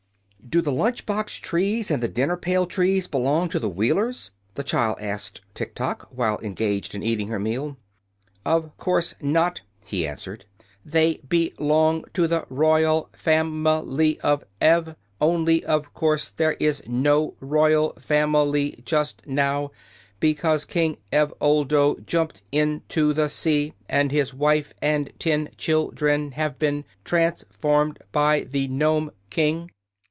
"Do the lunch box trees and the dinner pail trees belong to the Wheelers?" the child asked Tiktok, while engaged in eating her meal. "Of course not," he answered. "They be long to the roy al fam il y of Ev, on ly of course there is no roy al fam il y just now be cause King Ev ol do jumped in to the sea and his wife and ten chil dren have been trans formed by the Nome King.